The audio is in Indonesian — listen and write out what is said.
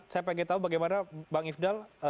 saya ingin tahu bagaimana bang ifdal